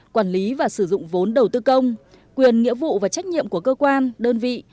quản lý và sử dụng vốn đầu tư công quyền nghĩa vụ và trách nhiệm của cơ quan đơn vị